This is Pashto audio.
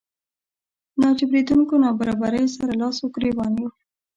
ناجبرانېدونکو نابرابريو سره لاس ګریوان يو.